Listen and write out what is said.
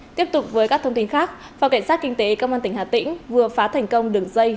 tiếp tục với các thông tin khác phòng cảnh sát kinh tế công an tỉnh hà tĩnh vừa phá thành công đường dây